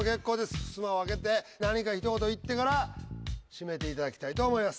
ふすまを開けて何かひと言言ってから閉めていただきたいと思います。